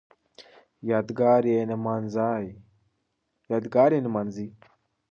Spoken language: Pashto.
یادګار یې نمانځي